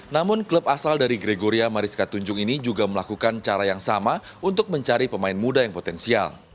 namun klub asal dari gregoria mariska tunjung ini juga melakukan cara yang sama untuk mencari pemain muda yang potensial